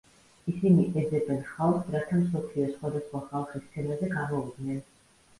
ისინი ეძებენ ხალხს რათა მსოფლიო სხვადასხვა ხალხის სცენაზე გამოვიდნენ.